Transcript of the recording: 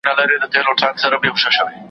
پر خپل قول درېدل خوی د مېړه دی